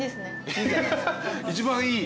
一番いい？